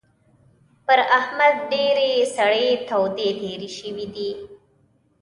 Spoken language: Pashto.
پر احمد ډېرې سړې تودې تېرې شوې دي.